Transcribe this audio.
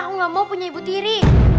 aku nggak mau punya ibu tiri